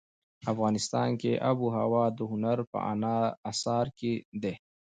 افغانستان کې آب وهوا د هنر په اثار کې دي.